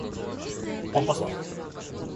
Он послал.